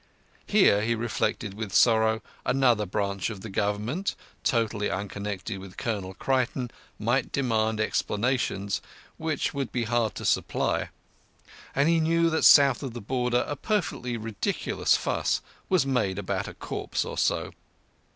Here, he reflected with sorrow, another branch of the Government, totally unconnected with Colonel Creighton, might demand explanations which would be hard to supply; and he knew that south of the Border a perfectly ridiculous fuss is made about a corpse or so.